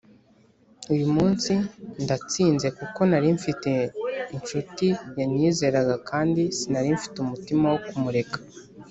uyu munsi ndatsinze kuko nari mfite inshuti yanyizeraga kandi sinari mfite umutima wo kumureka